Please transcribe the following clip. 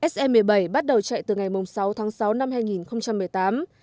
se một mươi bảy bắt đầu chạy từ ngày sáu tháng sáu năm hai nghìn một mươi tám